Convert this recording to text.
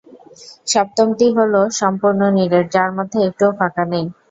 সপ্তমটি হলো সম্পূর্ণ নিরেট যার মধ্যে একটুও ফাঁকা নেই।